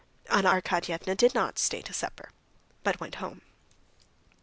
Anna Arkadyevna did not stay to supper, but went home.